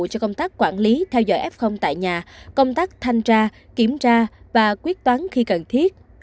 cho công tác quản lý theo dõi f tại nhà công tác thanh tra kiểm tra và quyết toán khi cần thiết